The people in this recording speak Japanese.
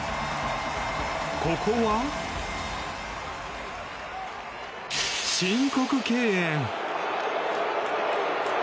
ここは、申告敬遠。